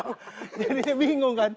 jadinya bingung kan